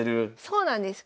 そうなんです。